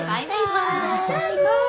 バイバイ。